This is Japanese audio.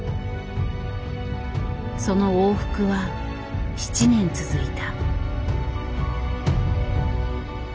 その往復は７年続いた。